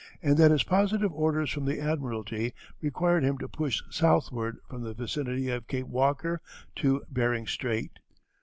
and that his positive orders from the admiralty required him to push southward from the vicinity of Cape Walker to Behring Strait.